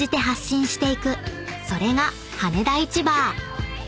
［それが羽田市場］